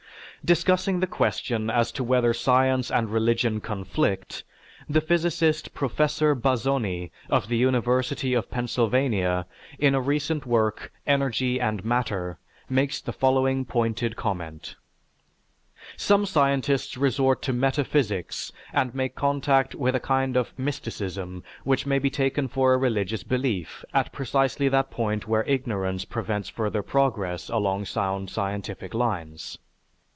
Discussing the question as to whether science and religion conflict, the physicist Professor Bazzoni, of the University of Pennsylvania, in a recent work "Energy and Matter," makes the following pointed comment: "Some scientists resort to metaphysics and make contact with a kind of mysticism which may be taken for a religious belief at precisely that point where ignorance prevents further progress along sound scientific lines.